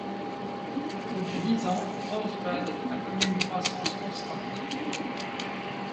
Depuis dix ans, Rosebud a connu une croissance constante.